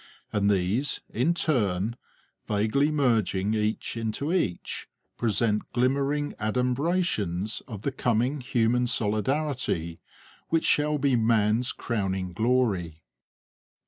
And these, in turn, vaguely merging each into each, present glimmering adumbrations of the coming human solidarity which shall be man's crowning glory.